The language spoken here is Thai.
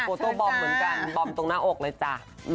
โต้บอมเหมือนกันบอมตรงหน้าอกเลยจ้ะ